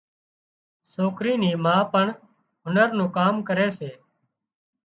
سوڪري نِي ما پڻ هنر نُون ڪام ڪري سي